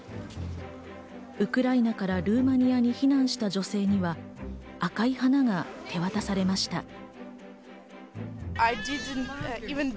ウクライナからルーマニアに避難した女性には赤い花が手渡されました。